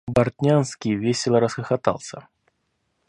Бартнянский весело расхохотался.